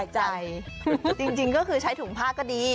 จริงใช้ถุงผ้าก็ดี